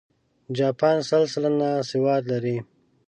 جاپان سل سلنه سواد لري.